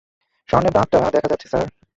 স্বর্ণের দাঁত টা দেখা যাচ্ছে স্যার।